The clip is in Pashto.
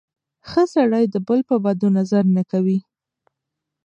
ښه سړی د بل په بدو نظر نه کوي.